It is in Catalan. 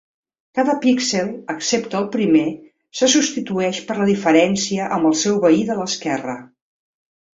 Cada píxel, excepte el primer, se substitueix per la diferència amb el seu veí de l'esquerra.